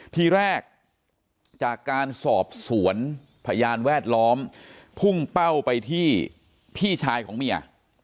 ทีแรกจากการสอบสวนพยานแวดล้อมพุ่งเป้าไปที่พี่ชายของเมีย